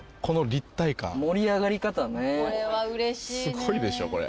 すごいでしょこれ。